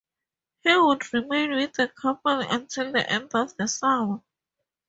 He would remain with the company until the end of the summer.